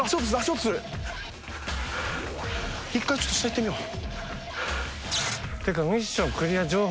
１回ちょっと下行ってみよう。